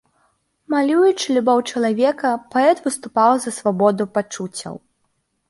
Малюючы любоў чалавека, паэт выступаў за свабоду пачуццяў.